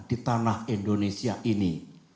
di tanah indonesia ini